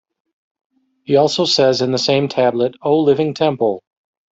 He also says in the same Tablet:O Living Temple!